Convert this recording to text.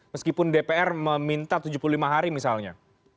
meskipun dpr meminta tujuh puluh lima hari misalnya